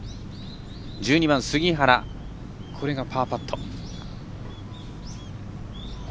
１２番、杉原、パーパット。